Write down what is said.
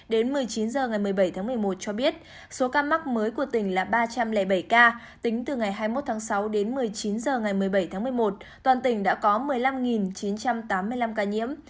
đến một mươi chín h ngày một mươi bảy tháng một mươi một cho biết số ca mắc mới của tỉnh là ba trăm linh bảy ca tính từ ngày hai mươi một tháng sáu đến một mươi chín h ngày một mươi bảy tháng một mươi một toàn tỉnh đã có một mươi năm chín trăm tám mươi năm ca nhiễm